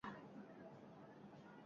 আমি আর কাহাকেও মানিব না।